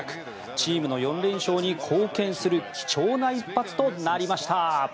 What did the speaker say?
チームの４連勝に貢献する貴重な一発となりました。